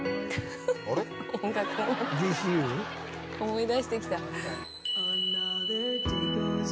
「思い出してきた」